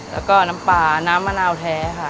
แล้วก็น้ำปลาน้ำมะนาวแท้ค่ะ